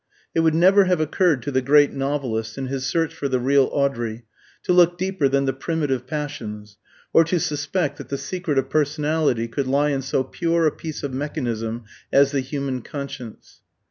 It would never have occurred to the great novelist, in his search for the real Audrey, to look deeper than the "primitive passions," or to suspect that the secret of personality could lie in so pure a piece of mechanism as the human conscience.